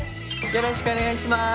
よろしくお願いします！